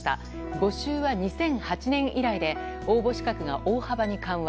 募集は２００８年以来で応募資格が大幅に緩和。